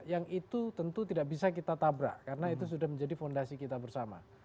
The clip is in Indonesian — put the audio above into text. yang itu tentu tidak bisa kita tabrak karena itu sudah menjadi fondasi kita bersama